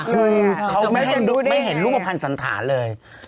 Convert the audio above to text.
คือเขาไม่เห็นรูปภัณฑ์สันธารเลย